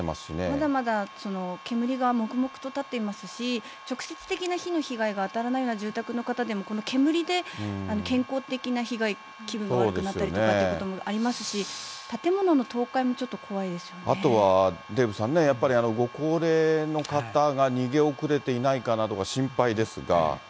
まだまだ煙がもくもくと立っていますし、直接的な火の被害があたらないような住宅の方でもこの煙で健康的な被害、気分が悪くなったりとかっていうこともありますし、建物あとはデーブさんね、やっぱりご高齢の方が逃げ遅れていないかなどが心配ですが。